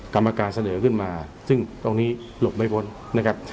กรรมการเสนอขึ้นมาซึ่งตรงนี้หลบไม่พ้นนะครับ